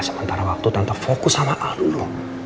sementara waktu tante fokus sama al dulu